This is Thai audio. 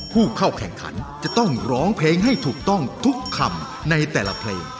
ผู้เข้าแข่งขันจะต้องร้องเพลงให้ถูกต้องทุกคำในแต่ละเพลง